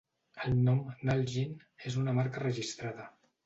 El nom "Nalgene" és una marca registrada.